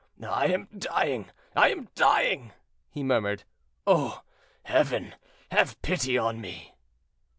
"I am dying, I am dying!" he murmured. "O Heaven! have pity on me."